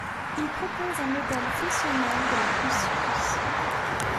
Il propose un modèle fonctionnel de la conscience.